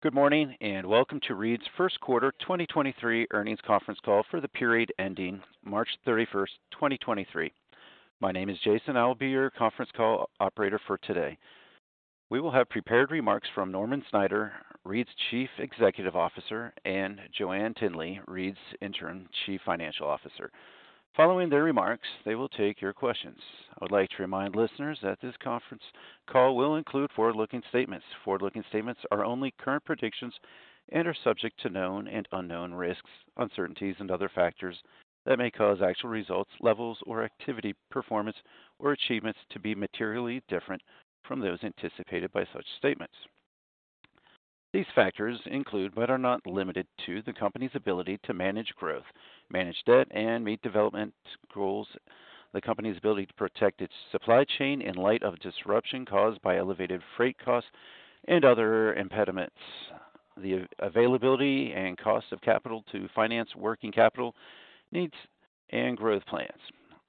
Good morning, welcome to Reed's First Quarter 2023 Earnings Conference Call for the period ending March 31st, 2023. My name is Jason. I'll be your conference call operator for today. We will have prepared remarks from Norman Snyder, Reed's Chief Executive Officer, and Joann Tinnelly, Reed's Interim Chief Financial Officer. Following their remarks, they will take your questions. I would like to remind listeners that this conference call will include forward-looking statements. Forward-looking statements are only current predictions and are subject to known and unknown risks, uncertainties, and other factors that may cause actual results, levels or activity, performance, or achievements to be materially different from those anticipated by such statements. These factors include, but are not limited to, the company's ability to manage growth, manage debt, and meet development goals, the company's ability to protect its supply chain in light of disruption caused by elevated freight costs and other impediments, the availability and cost of capital to finance working capital needs and growth plans,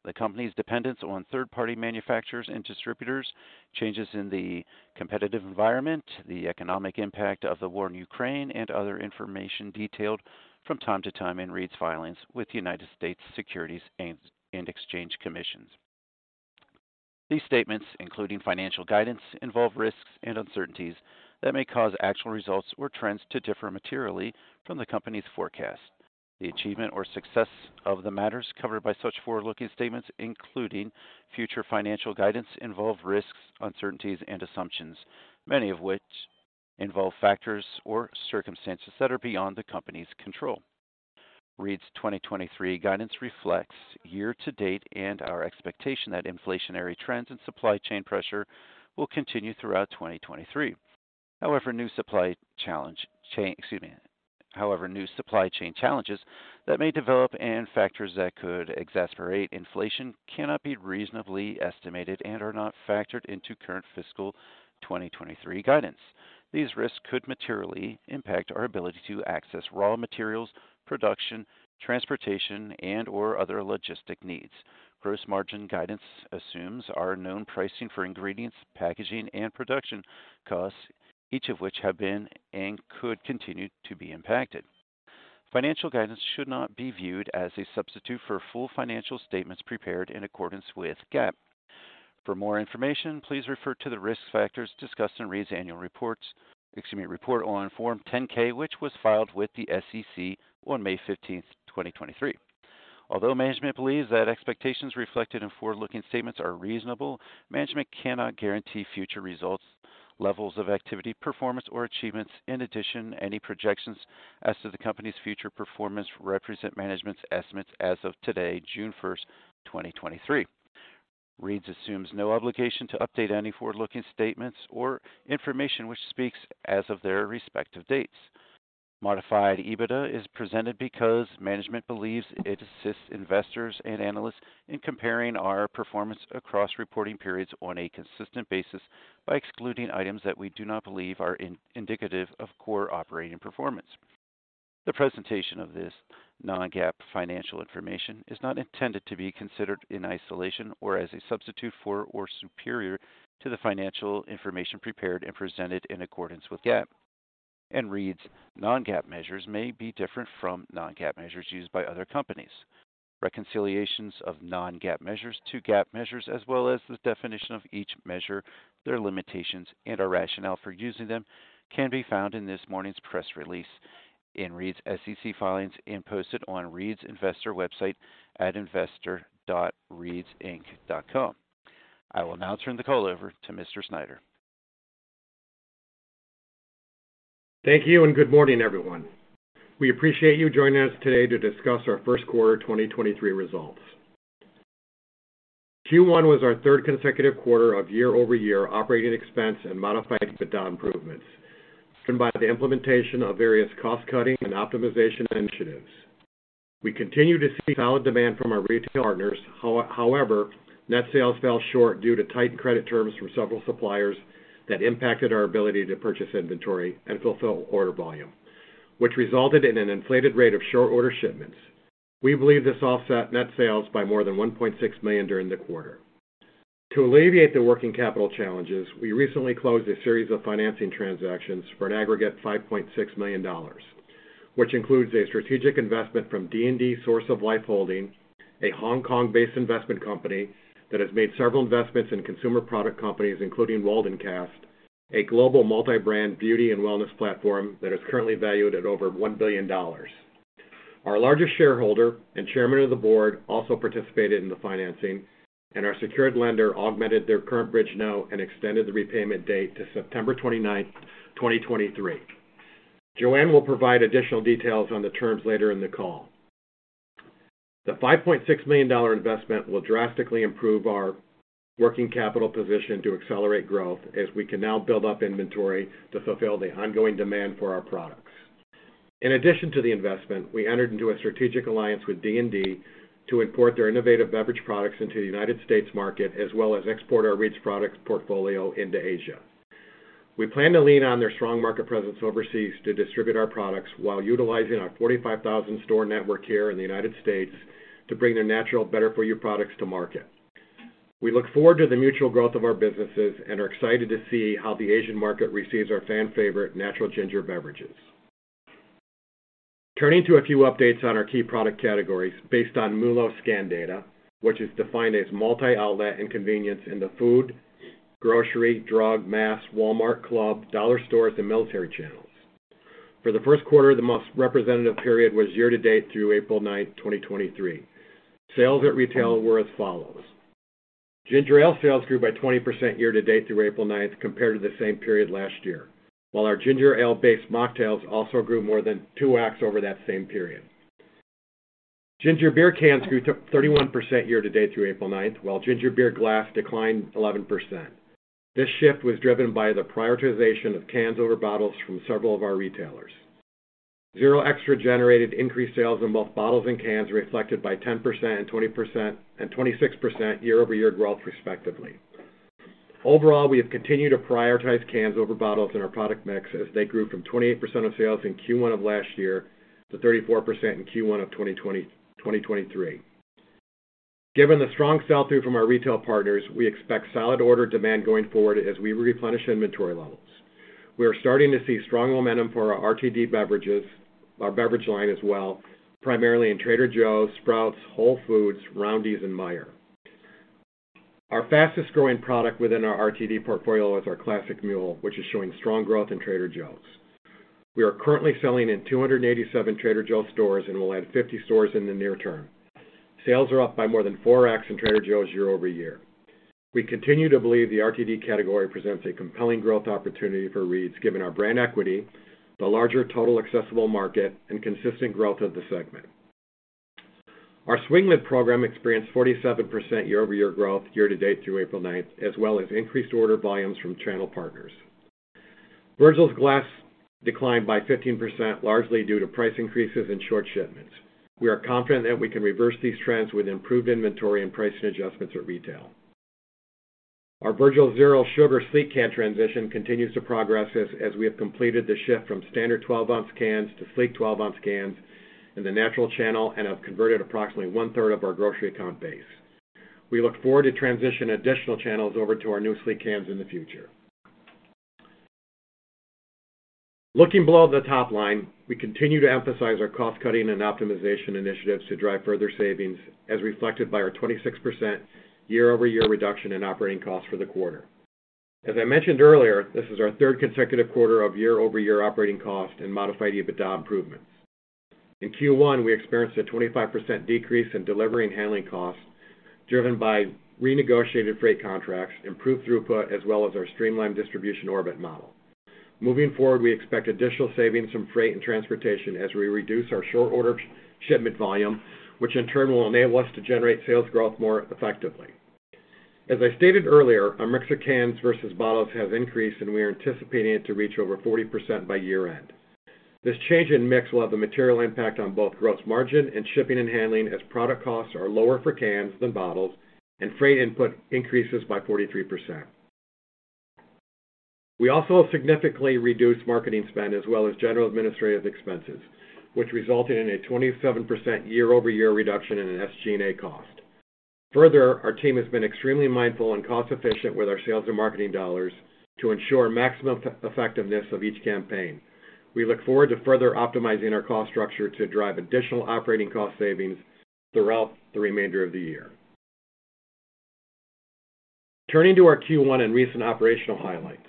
the company's dependence on third-party manufacturers and distributors, changes in the competitive environment, the economic impact of the war in Ukraine, and other information detailed from time to time in Reed's filings with the United States Securities and Exchange Commission. These statements, including financial guidance, involve risks and uncertainties that may cause actual results or trends to differ materially from the company's forecast. The achievement or success of the matters covered by such forward-looking statements, including future financial guidance, involve risks, uncertainties, and assumptions, many of which involve factors or circumstances that are beyond the company's control. Reed's 2023 guidance reflects year-to-date and our expectation that inflationary trends and supply chain pressure will continue throughout 2023. However, new supply chain challenges that may develop and factors that could exasperate inflation cannot be reasonably estimated and are not factored into current fiscal 2023 guidance. These risks could materially impact our ability to access raw materials, production, transportation, and/or other logistic needs. Gross margin guidance assumes our known pricing for ingredients, packaging, and production costs, each of which have been and could continue to be impacted. Financial guidance should not be viewed as a substitute for full financial statements prepared in accordance with GAAP. For more information, please refer to the risk factors discussed in Reed's annual reports, excuse me, report on Form 10-K, which was filed with the SEC on May 15th, 2023. Management believes that expectations reflected in forward-looking statements are reasonable, management cannot guarantee future results, levels of activity, performance, or achievements. Any projections as to the company's future performance represent management's estimates as of today, June 1st, 2023. Reed's assumes no obligation to update any forward-looking statements or information, which speaks as of their respective dates. Modified EBITDA is presented because management believes it assists investors and analysts in comparing our performance across reporting periods on a consistent basis by excluding items that we do not believe are indicative of core operating performance. The presentation of this non-GAAP financial information is not intended to be considered in isolation or as a substitute for, or superior to the financial information prepared and presented in accordance with GAAP. Reed's non-GAAP measures may be different from non-GAAP measures used by other companies. Reconciliations of non-GAAP measures to GAAP measures, as well as the definition of each measure, their limitations, and our rationale for using them, can be found in this morning's press release in Reed's SEC filings and posted on Reed's investor website at investor.reedsinc.com. I will now turn the call over to Mr. Snyder. Thank you, and good morning, everyone. We appreciate you joining us today to discuss our first quarter 2023 results. Q1 was our third consecutive quarter of year-over-year operating expense and modified EBITDA improvements, driven by the implementation of various cost-cutting and optimization initiatives. We continue to see solid demand from our retail partners. However, net sales fell short due to tight credit terms from several suppliers that impacted our ability to purchase inventory and fulfill order volume, which resulted in an inflated rate of short order shipments. We believe this offset net sales by more than $1.6 million during the quarter. To alleviate the working capital challenges, we recently closed a series of financing transactions for an aggregate $5.6 million, which includes a strategic investment from D&D Source of Life Holding, a Hong Kong-based investment company that has made several investments in consumer product companies, including Waldencast, a global multi-brand beauty and wellness platform that is currently valued at over $1 billion. Our largest shareholder and chairman of the board also participated in the financing, our secured lender augmented their current bridge now and extended the repayment date to September 29th, 2023. Joann will provide additional details on the terms later in the call. The $5.6 million investment will drastically improve our working capital position to accelerate growth, as we can now build up inventory to fulfill the ongoing demand for our products. In addition to the investment, we entered into a strategic alliance with D&D to import their innovative beverage products into the United States market, as well as export our Reed's products portfolio into Asia. We plan to lean on their strong market presence overseas to distribute our products while utilizing our 45,000 store network here in the United States to bring their natural better-for-you products to market. We look forward to the mutual growth of our businesses and are excited to see how the Asian market receives our fan favorite natural ginger beverages. Turning to a few updates on our key product categories based on MULO scan data, which is defined as multi-outlet and convenience in the food, grocery, drug, mass, Walmart club, dollar stores, and military channels. For the first quarter, the most representative period was year-to-date through April 9th, 2023. Sales at retail were as follows: Ginger Ale sales grew by 20% year-to-date through April 9th compared to the same period last year, while our Ginger Ale-based mocktails also grew more than 2x over that same period. Ginger Beer cans grew to 31% year-to-date through April 9th, while Ginger Beer glass declined 11%. This shift was driven by the prioritization of cans over bottles from several of our retailers. Zero Extra generated increased sales in both bottles and cans, reflected by 10% and 26% year-over-year growth, respectively. Overall, we have continued to prioritize cans over bottles in our product mix as they grew from 28% of sales in Q1 of last year to 34% in Q1 of 2023. Given the strong sell-through from our retail partners, we expect solid order demand going forward as we replenish inventory levels. We are starting to see strong momentum for our RTD beverages, our beverage line as well, primarily in Trader Joe's, Sprouts, Whole Foods, Roundy's, and Meijer. Our fastest growing product within our RTD portfolio is our Classic Mule, which is showing strong growth in Trader Joe's. We are currently selling in 287 Trader Joe's stores and will add 50 stores in the near term. Sales are up by more than 4x in Trader Joe's year-over-year. We continue to believe the RTD category presents a compelling growth opportunity for Reed's, given our brand equity, the larger total accessible market, and consistent growth of the segment. Our Swing Top program experienced 47% year-over-year growth year to date through April 9th, as well as increased order volumes from channel partners. Virgil's Glass declined by 15%, largely due to price increases in short shipments. We are confident that we can reverse these trends with improved inventory and pricing adjustments at retail. Our Virgil's Zero Sugar sleek can transition continues to progress as we have completed the shift from standard 12-oz cans to sleek 12-oz cans in the natural channel and have converted approximately one-third of our grocery account base. We look forward to transition additional channels over to our new sleek cans in the future. Looking below the top line, we continue to emphasize our cost-cutting and optimization initiatives to drive further savings, as reflected by our 26% year-over-year reduction in operating costs for the quarter. As I mentioned earlier, this is our third consecutive quarter of year-over-year operating cost and modified EBITDA improvements. In Q1, we experienced a 25% decrease in delivery and handling costs, driven by renegotiated freight contracts, improved throughput, as well as our streamlined distribution orbit model. Moving forward, we expect additional savings from freight and transportation as we reduce our short order shipment volume, which in turn will enable us to generate sales growth more effectively. As I stated earlier, our mix of cans versus bottles has increased. We are anticipating it to reach over 40% by year-end. This change in mix will have a material impact on both gross margin and shipping and handling, as product costs are lower for cans than bottles and freight input increases by 43%. We also have significantly reduced marketing spend as well as general administrative expenses, which resulted in a 27% year-over-year reduction in an SG&A cost. Further, our team has been extremely mindful and cost-efficient with our sales and marketing dollars to ensure maximum effectiveness of each campaign. We look forward to further optimizing our cost structure to drive additional operating cost savings throughout the remainder of the year. Turning to our Q1 and recent operational highlights.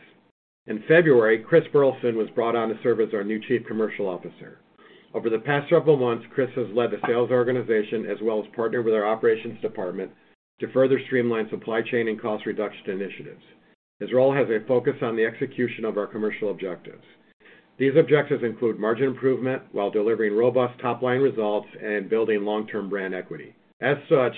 In February, Chris Burleson was brought on to serve as our new Chief Commercial Officer. Over the past several months, Chris has led the sales organization as well as partnered with our operations department to further streamline supply chain and cost reduction initiatives. His role has a focus on the execution of our commercial objectives. These objectives include margin improvement while delivering robust top-line results and building long-term brand equity. As such,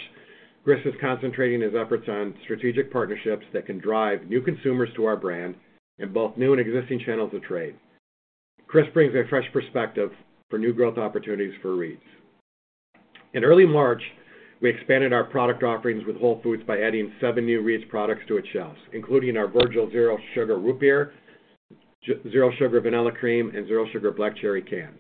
Chris is concentrating his efforts on strategic partnerships that can drive new consumers to our brand in both new and existing channels of trade. Chris brings a fresh perspective for new growth opportunities for Reed's. In early March, we expanded our product offerings with Whole Foods by adding seven new Reed's products to its shelves, including our Virgil's Zero Sugar Root Beer, Zero Sugar Vanilla Cream, and Zero Sugar Black Cherry cans.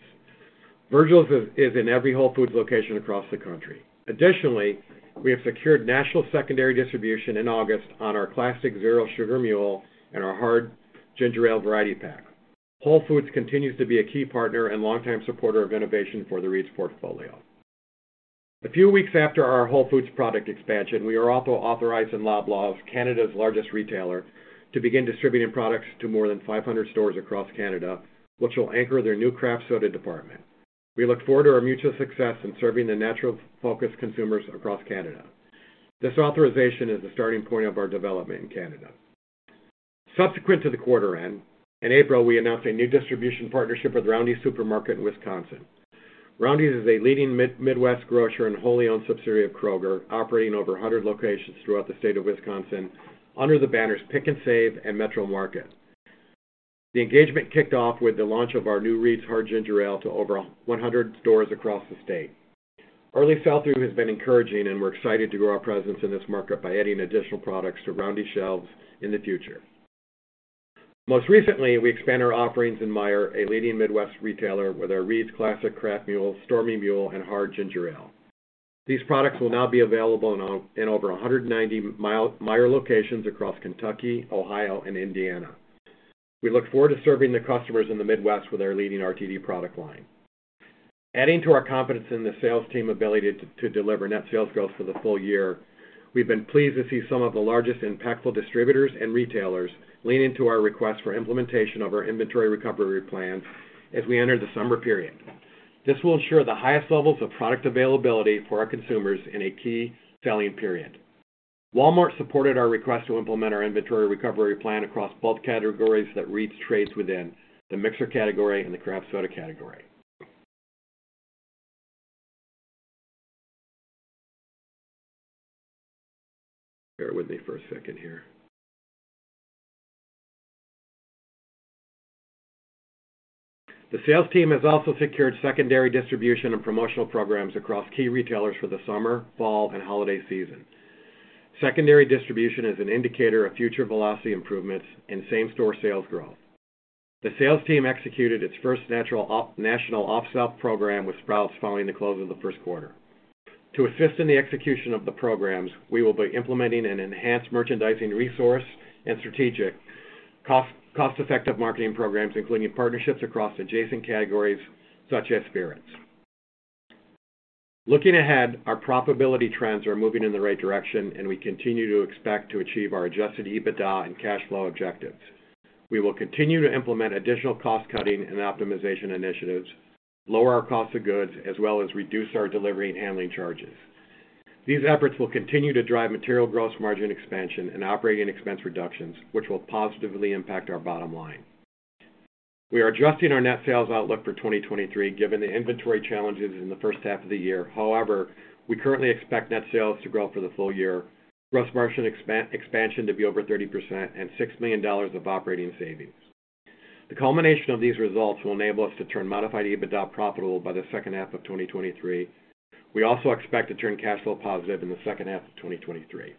Virgil's is in every Whole Foods location across the country. Additionally, we have secured national secondary distribution in August on our Zero Sugar Classic Mule and our Reed's Hard Ginger Ale variety pack. Whole Foods continues to be a key partner and long-time supporter of innovation for the Reed's portfolio. A few weeks after our Whole Foods product expansion, we are also authorized in Loblaws, Canada's largest retailer, to begin distributing products to more than 500 stores across Canada, which will anchor their new craft soda department. We look forward to our mutual success in serving the natural focused consumers across Canada. This authorization is the starting point of our development in Canada. Subsequent to the quarter end, in April, we announced a new distribution partnership with Roundy's Supermarkets in Wisconsin. Roundy is a leading Midwest grocer and wholly owned subsidiary of Kroger, operating over 100 locations throughout the state of Wisconsin under the banners Pick 'n Save and Metro Market. The engagement kicked off with the launch of our new Reed's Hard Ginger Ale to over 100 stores across the state. Early sell-through has been encouraging. We're excited to grow our presence in this market by adding additional products to Roundy's shelves in the future. Most recently, we expanded our offerings in Meijer, a leading Midwest retailer, with our Reed's Classic Craft Mule, Stormy Mule, and Hard Ginger Ale. These products will now be available in over 190 Meijer locations across Kentucky, Ohio, and Indiana. We look forward to serving the customers in the Midwest with our leading RTD product line. Adding to our confidence in the sales team ability to deliver net sales growth for the full year, we've been pleased to see some of the largest impactful distributors and retailers lean into our request for implementation of our inventory recovery plan as we enter the summer period. This will ensure the highest levels of product availability for our consumers in a key selling period. Walmart supported our request to implement our inventory recovery plan across both categories that Reed's trades within, the mixer category and the craft soda category. Bear with me for a second here. The sales team has also secured secondary distribution and promotional programs across key retailers for the summer, fall, and holiday season. Secondary distribution is an indicator of future velocity improvements in same-store sales growth. The sales team executed its first national off-sale program with Sprouts following the close of the first quarter. To assist in the execution of the programs, we will be implementing an enhanced merchandising resource and strategic cost-effective marketing programs, including partnerships across adjacent categories such as spirits. Looking ahead, our profitability trends are moving in the right direction, we continue to expect to achieve our adjusted EBITDA and cash flow objectives. We will continue to implement additional cost-cutting and optimization initiatives, lower our cost of goods, as well as reduce our delivery and handling charges. These efforts will continue to drive material gross margin expansion and operating expense reductions, which will positively impact our bottom line. We are adjusting our net sales outlook for 2023, given the inventory challenges in the first half of the year. However, we currently expect net sales to grow for the full year, gross margin expansion to be over 30%, and $6 million of operating savings. The culmination of these results will enable us to turn Modified EBITDA profitable by the second half of 2023. We also expect to turn cash flow positive in the second half of 2023.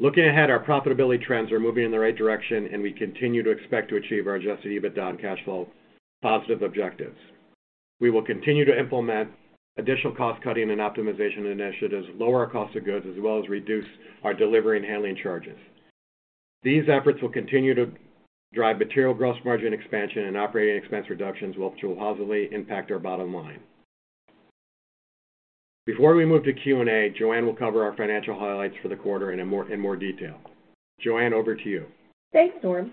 Looking ahead, our profitability trends are moving in the right direction, and we continue to expect to achieve our adjusted EBITDA and cash flow positive objectives. We will continue to implement additional cost-cutting and optimization initiatives, lower our cost of goods, as well as reduce our delivery and handling charges. These efforts will continue to drive material gross margin expansion and operating expense reductions, which will positively impact our bottom line. Before we move to Q&A, Joann will cover our financial highlights for the quarter in more detail. Joann, over to you. Thanks, Norm.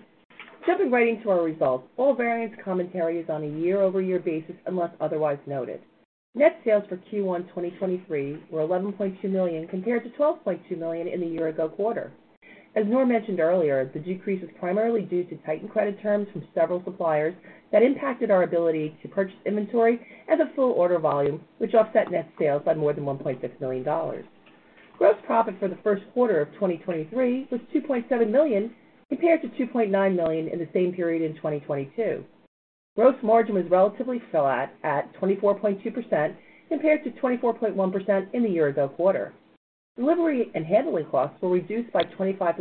Jumping right into our results, all variance commentary is on a year-over-year basis, unless otherwise noted. Net sales for Q1 2023 were $11.2 million, compared to $12.2 million in the year ago quarter. As Norm mentioned earlier, the decrease was primarily due to tightened credit terms from several suppliers that impacted our ability to purchase inventory and the full order volume, which offset net sales by more than $1.6 million. Gross profit for the first quarter of 2023 was $2.7 million, compared to $2.9 million in the same period in 2022. Gross margin was relatively flat at 24.2%, compared to 24.1% in the year ago quarter. Delivery and handling costs were reduced by 25%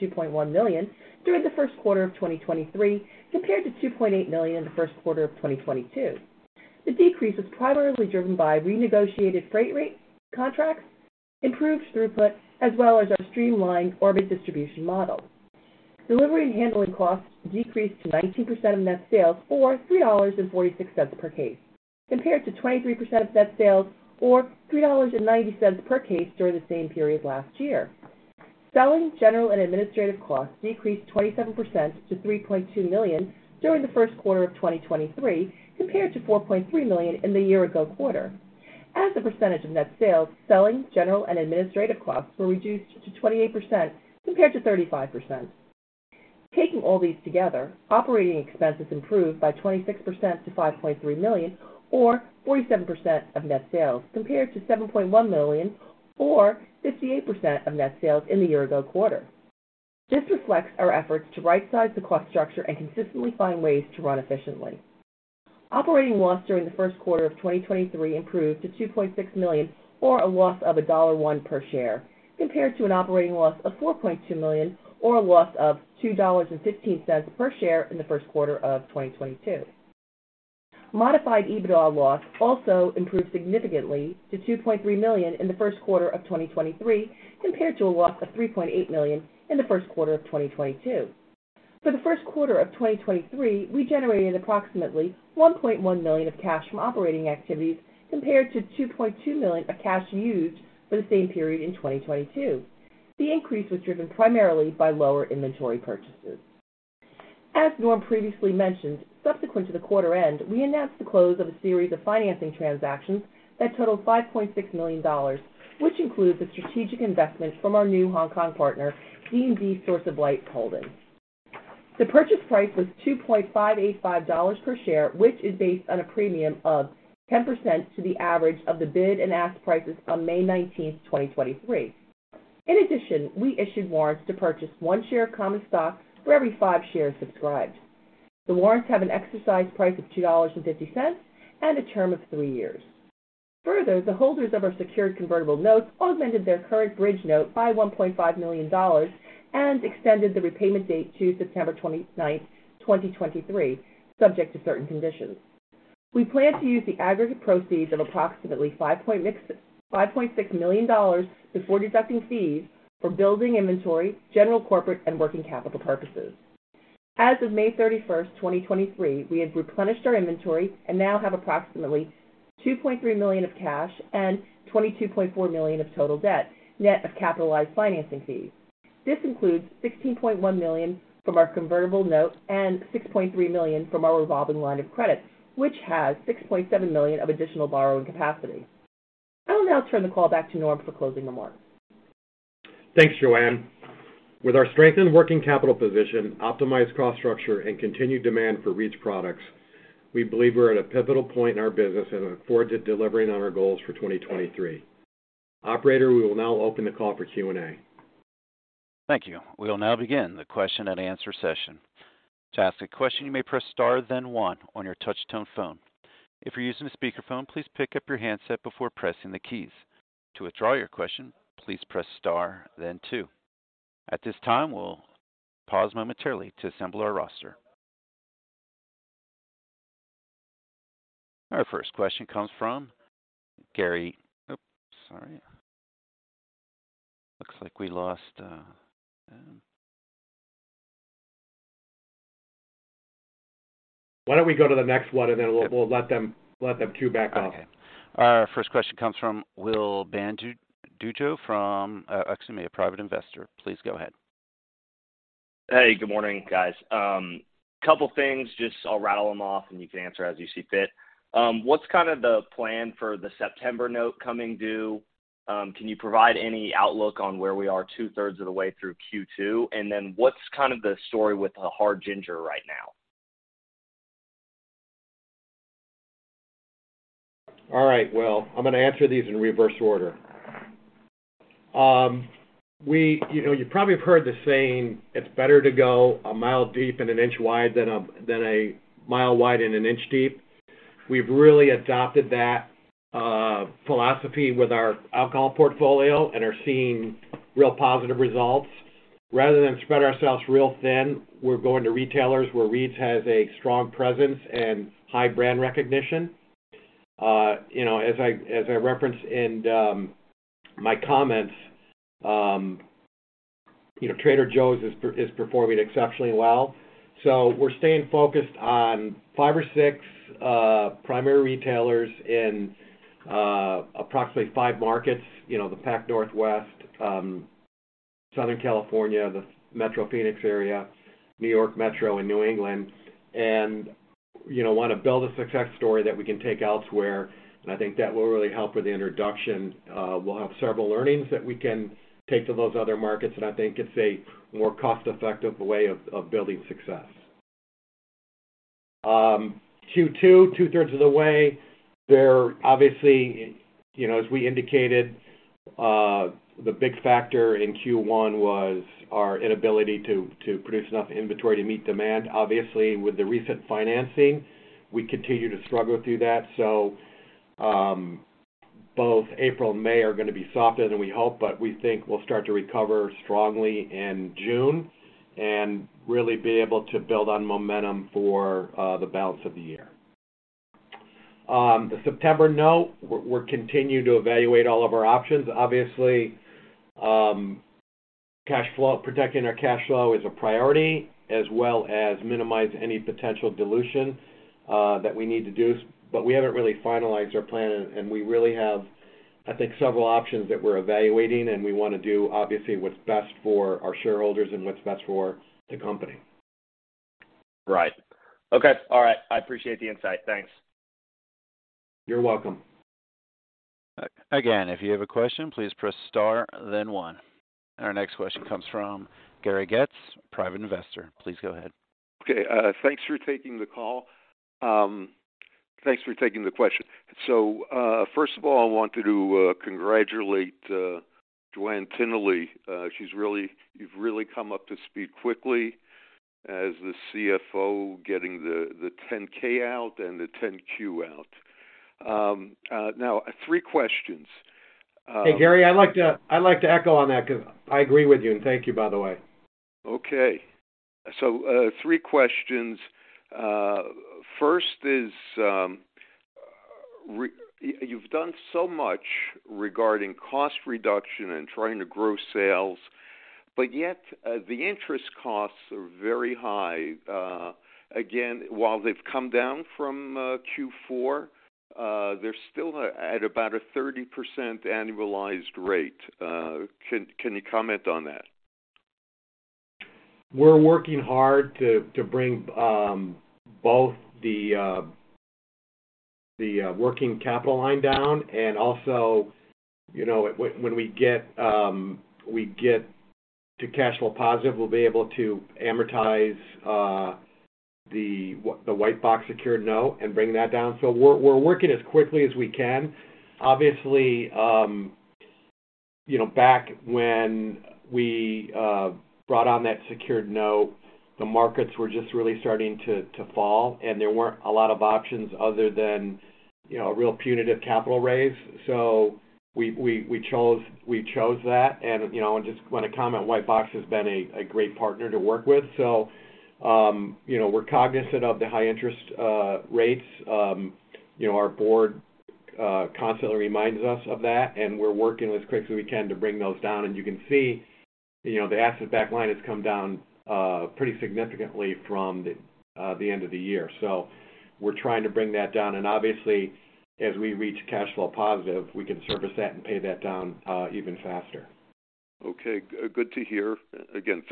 to $2.1 million during the first quarter of 2023, compared to $2.8 million in the first quarter of 2022. The decrease was primarily driven by renegotiated freight rate contracts, improved throughput, as well as our streamlined orbit distribution model. Delivery and handling costs decreased to 19% of net sales, or $3.46 per case, compared to 23% of net sales or $3.90 per case during the same period last year. Selling, general, and administrative costs decreased 27% to $3.2 million during the first quarter of 2023, compared to $4.3 million in the year ago quarter. As a percentage of net sales, selling, general, and administrative costs were reduced to 28%, compared to 35%. Taking all these together, operating expenses improved by 26% to $5.3 million, or 47% of net sales, compared to $7.1 million or 58% of net sales in the year ago quarter. This reflects our efforts to rightsize the cost structure and consistently find ways to run efficiently. Operating loss during the first quarter of 2023 improved to $2.6 million, or a loss of $1.01 per share, compared to an operating loss of $4.2 million, or a loss of $2.15 per share in the first quarter of 2022. Modified EBITDA loss also improved significantly to $2.3 million in the first quarter of 2023, compared to a loss of $3.8 million in the first quarter of 2022. For the first quarter of 2023, we generated approximately $1.1 million of cash from operating activities, compared to $2.2 million of cash used for the same period in 2022. The increase was driven primarily by lower inventory purchases. As Norm previously mentioned, subsequent to the quarter end, we announced the close of a series of financing transactions that totaled $5.6 million, which includes a strategic investment from our new Hong Kong partner, D&D Source of Life Holding. The purchase price was $2.585 per share, which is based on a premium of 10% to the average of the bid and ask prices on May 19th, 2023. In addition, we issued warrants to purchase 1 share of common stock for every 5 shares subscribed... The warrants have an exercise price of $2.50 and a term of three years. The holders of our secured convertible notes augmented their current bridge note by $1.5 million and extended the repayment date to September 29, 2023, subject to certain conditions. We plan to use the aggregate proceeds of approximately $5.6 million before deducting fees for building inventory, general corporate, and working capital purposes. As of May 31, 2023, we have replenished our inventory and now have approximately $2.3 million of cash and $22.4 million of total debt, net of capitalized financing fees. This includes $16.1 million from our convertible note and $6.3 million from our revolving line of credit, which has $6.7 million of additional borrowing capacity. I will now turn the call back to Norm for closing remarks. Thanks, Joann. With our strengthened working capital position, optimized cost structure, and continued demand for Reed's products, we believe we're at a pivotal point in our business and look forward to delivering on our goals for 2023. Operator, we will now open the call for Q&A. Thank you. We will now begin the question-and-answer session. To ask a question, you may press Star, then 1 on your touch tone phone. If you're using a speakerphone, please pick up your handset before pressing the keys. To withdraw your question, please press Star, then 2. At this time, we'll pause momentarily to assemble our roster. Our first question comes from Gary... Oops, sorry. Looks like we lost. Why don't we go to the next one, and then we'll let them queue back up? Okay. Our first question comes from Will Bandujo from, excuse me, a private investor. Please go ahead. Hey, good morning, guys. Couple things. Just I'll rattle them off, and you can answer as you see fit. What's kind of the plan for the September note coming due? Can you provide any outlook on where we are two-thirds of the way through Q2? What's kind of the story with the Hard Ginger right now? All right, Will, I'm gonna answer these in reverse order. you know, you probably have heard the saying, "It's better to go a mile deep and an inch wide than a, than a mile wide and an inch deep." We've really adopted that philosophy with our alcohol portfolio and are seeing real positive results. Rather than spread ourselves real thin, we're going to retailers where Reed's has a strong presence and high brand recognition. you know, as I, as I referenced in my comments, you know, Trader Joe's is performing exceptionally well. We're staying focused on five or six primary retailers in approximately five markets, you know, the Pac Northwest, Southern California, the metro Phoenix area, New York Metro, and New England, you know, wanna build a success story that we can take elsewhere. I think that will really help with the introduction. We'll have several learnings that we can take to those other markets, and I think it's a more cost-effective way of building success. Q2, 2/3 of the way, they're obviously, you know, as we indicated, the big factor in Q1 was our inability to produce enough inventory to meet demand. Obviously, with the recent financing, we continue to struggle through that. Both April and May are gonna be softer than we hope, but we think we'll start to recover strongly in June and really be able to build on momentum for the balance of the year. The September note, we're continuing to evaluate all of our options. Obviously, cash flow, protecting our cash flow is a priority, as well as minimize any potential dilution that we need to do, but we haven't really finalized our plan, and we really have, I think, several options that we're evaluating, and we wanna do, obviously, what's best for our shareholders and what's best for the company. Right. Okay, all right. I appreciate the insight. Thanks. You're welcome. Again, if you have a question, please press Star, then one. Our next question comes from Gary Getz, private investor. Please go ahead. Okay, thanks for taking the call. Thanks for taking the question. First of all, I wanted to congratulate Joann Tinnelly. You've really come up to speed quickly as the CFO, getting the 10-K out and the 10-Q out. Now, three questions. Hey, Gary, I'd like to echo on that 'cause I agree with you, and thank you, by the way. Three questions. First is, You've done so much regarding cost reduction and trying to grow sales, but yet, the interest costs are very high. Again, while they've come down from Q4, they're still at about a 30% annualized rate. Can you comment on that? We're working hard to bring both the working capital line down and also, you know, when we get to cash flow positive, we'll be able to amortize the Whitebox secured note and bring that down. We're working as quickly as we can. Obviously, you know, back when we brought on that secured note, the markets were just really starting to fall, and there weren't a lot of options other than, you know, a real punitive capital raise. We chose that. You know, and just want to comment, Whitebox Advisors has been a great partner to work with. You know, we're cognizant of the high interest rates. You know, our board constantly reminds us of that, and we're working as quickly as we can to bring those down. You can see, you know, the asset-backed line has come down pretty significantly from the end of the year. We're trying to bring that down. Obviously, as we reach cash flow positive, we can service that and pay that down even faster. Okay, good to hear. Again,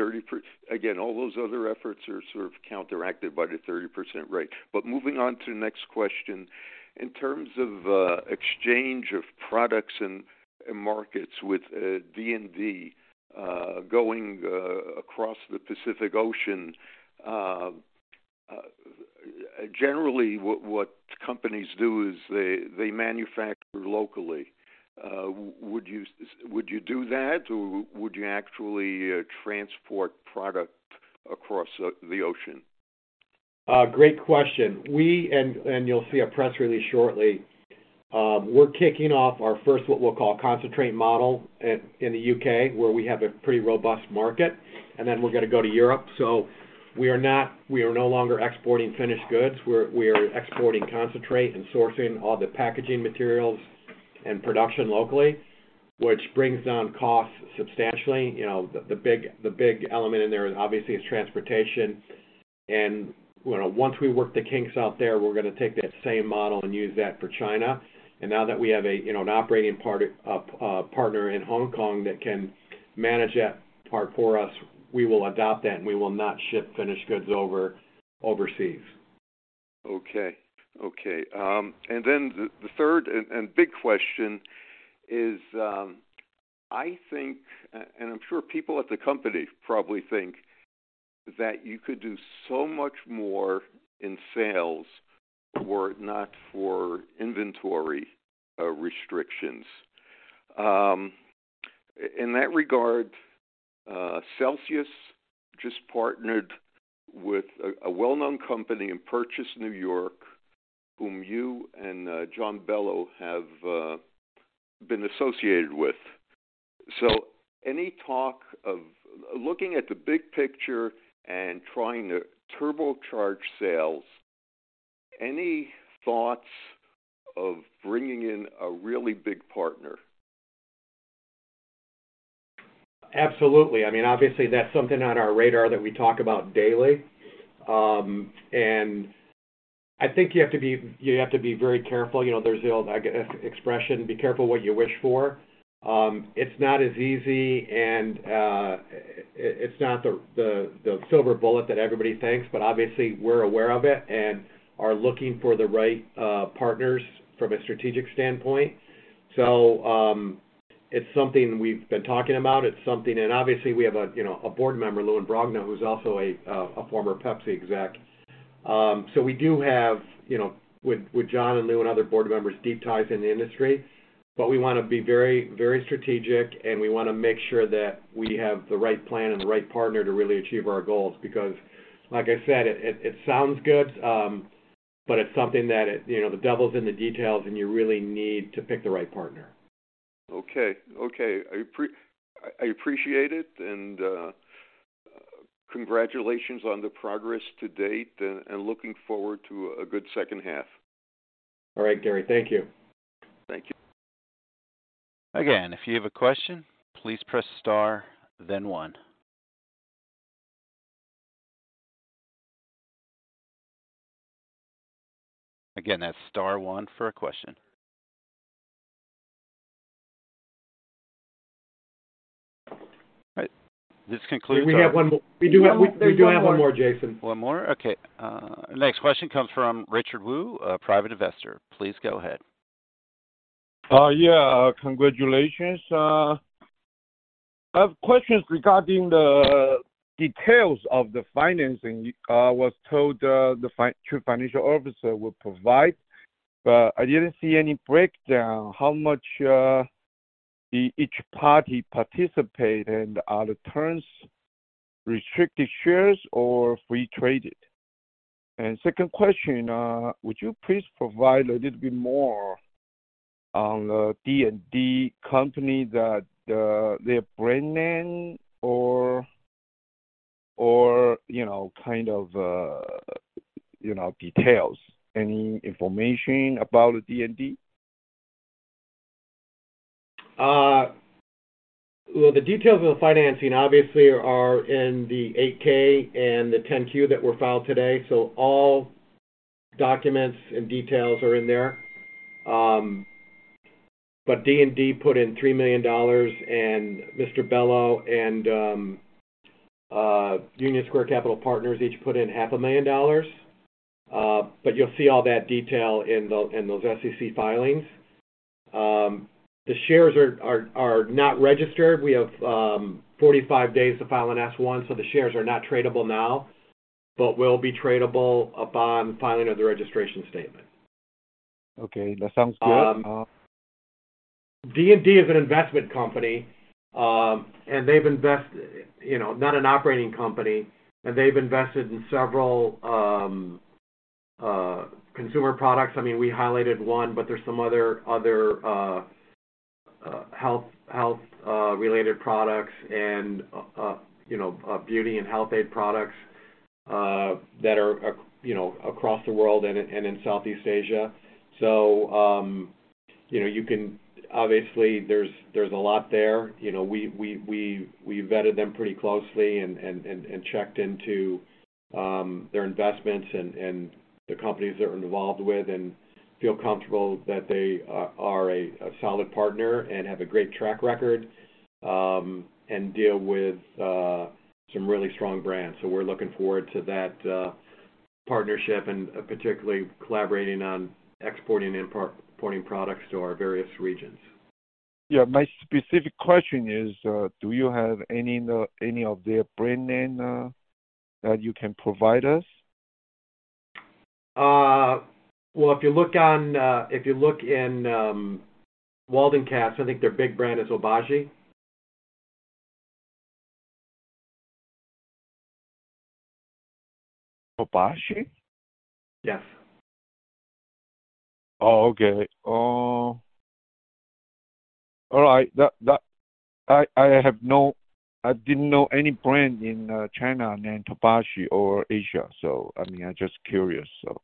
all those other efforts are sort of counteracted by the 30% rate. Moving on to the next question. In terms of exchange of products and markets with D&D going across the Pacific Ocean, generally, what companies do is they manufacture locally. Would you do that, or would you actually transport product across the ocean? Great question. You'll see a press release shortly. We're kicking off our first, what we'll call a concentrate model in the U.K., where we have a pretty robust market, and then we're going to go to Europe. We are no longer exporting finished goods. We are exporting concentrate and sourcing all the packaging materials and production locally, which brings down costs substantially. You know, the big element in there obviously is transportation. Well, once we work the kinks out there, we're going to take that same model and use that for China. Now that we have a, you know, an operating party, partner in Hong Kong that can manage that part for us, we will adopt that, and we will not ship finished goods overseas. Okay. Okay. Then the third and big question is, I think, and I'm sure people at the company probably think, that you could do so much more in sales were it not for inventory restrictions. In that regard, Celsius just partnered with a well-known company in Purchase, New York, whom you and John Bello have been associated with. Any talk of... Looking at the big picture and trying to turbocharge sales, any thoughts of bringing in a really big partner? Absolutely. I mean, obviously, that's something on our radar that we talk about daily. I think you have to be very careful. You know, there's the old, I guess, expression: be careful what you wish for. It's not as easy, it's not the silver bullet that everybody thinks, but obviously, we're aware of it and are looking for the right partners from a strategic standpoint. It's something we've been talking about. Obviously, we have a, you know, a board member, Lew Brogna, who's also a former PepsiCo exec. We do have, you know, with John and Lew and other board members, deep ties in the industry, but we want to be very, very strategic, and we want to make sure that we have the right plan and the right partner to really achieve our goals. Like I said, it sounds good, but it's something that it, you know, the devil's in the details, and you really need to pick the right partner. Okay. Okay, I appreciate it, and, congratulations on the progress to date, and, looking forward to a good second half. All right, Gary. Thank you. Thank you. Again, if you have a question, please press star, then one. Again, that's star one for a question. All right. This concludes our-. We do have one more. We do have one more, Jason. One more? Okay. Next question comes from Richard Wu, a private investor. Please go ahead. Yeah, congratulations. I have questions regarding the details of the financing. I was told, the Chief Financial Officer would provide, but I didn't see any breakdown. How much did each party participate, and are the terms restricted shares or free traded? Second question, would you please provide a little bit more on the D&D company that, their brand name or, you know, kind of, you know, details, any information about the D&D? The details of the financing obviously are in the 8-K and the 10-Q that were filed today. All documents and details are in there. D&D put in $3 million, and Mr. Bello and Union Square Park Capital Management each put in half a million dollars. You'll see all that detail in those SEC filings. The shares are not registered. We have 45 days to file an S-1, so the shares are not tradable now, but will be tradable upon filing of the registration statement. Okay, that sounds good. D&D is an investment company, you know, not an operating company, and they've invested in several consumer products. I mean, we highlighted one. There's some other health related products and, you know, beauty and health aid products that are across the world and in Southeast Asia. You know, you can obviously there's a lot there. You know, we vetted them pretty closely and checked into their investments and the companies they're involved with and feel comfortable that they are a solid partner and have a great track record and deal with some really strong brands. We're looking forward to that partnership and particularly collaborating on exporting and importing products to our various regions. Yeah. My specific question is, do you have any of their brand name, that you can provide us? Well, if you look in, Waldencast, I think their big brand is Obagi. Obagi? Yes. Oh, okay. All right. That I have no... I didn't know any brand in China named Obagi or Asia, so I mean, I'm just curious, so.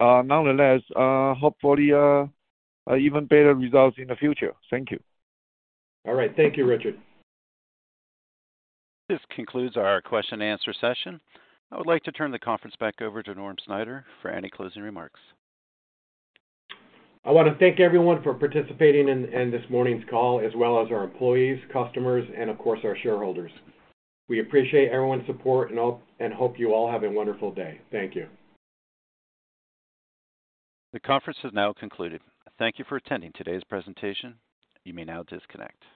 Nonetheless, hopefully, even better results in the future. Thank you. All right. Thank you, Richard. This concludes our question and answer session. I would like to turn the conference back over to Norm Snyder for any closing remarks. I want to thank everyone for participating in this morning's call as well as our employees, customers, and of course, our shareholders. We appreciate everyone's support and hope you all have a wonderful day. Thank you. The conference is now concluded. Thank you for attending today's presentation. You may now disconnect.